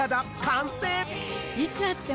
いつ会っても。